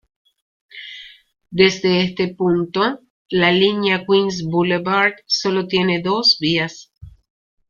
Desde este punto, la línea Queens Boulevard sólo tiene dos vías.